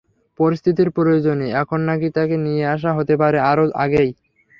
পরিস্থিতির প্রয়োজনে এখন নাকি তাঁকে নিয়ে আসা হতে পারে আরও আগেই।